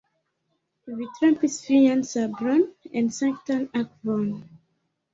vi trempis vian sabron en sanktan akvon.